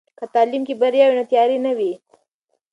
که تعلیم کې بریا وي، نو تیارې نه وي.